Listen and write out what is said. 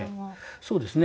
そうですね